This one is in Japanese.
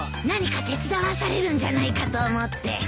何か手伝わされるんじゃないかと思って。